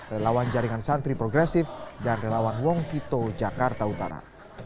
relawan jaringan santri progresif dan relawan wong kito jakarta utara